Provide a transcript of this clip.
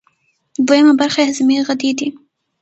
دویمه برخه یې هضمي غدې دي.